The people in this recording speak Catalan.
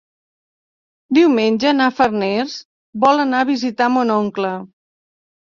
Diumenge na Farners vol anar a visitar mon oncle.